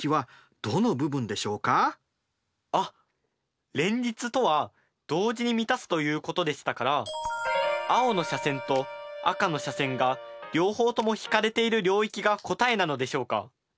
あっ連立とは同時に満たすということでしたから青の斜線と赤の斜線が両方とも引かれている領域が答えなのでしょうか。